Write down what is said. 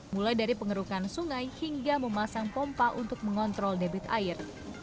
mulai dari pengerukan sungai hingga memasang pompa untuk mengontrol debit air